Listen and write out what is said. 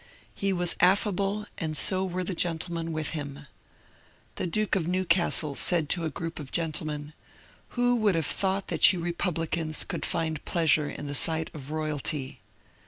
He was affable, and so were the gentlemen with him. The Duke of Newcastle said to a group of gentlemen, '^ Who would haye thought that you republicans could find pleasure in the sight of royalty?"